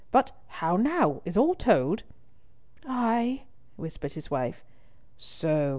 But how now? Is all told?" "Ay," whispered his wife. "So!